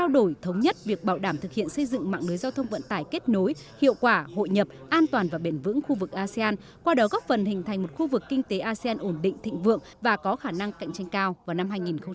do đó góp phần hình thành một khu vực kinh tế asean ổn định thịnh vượng và có khả năng cạnh tranh cao vào năm hai nghìn hai mươi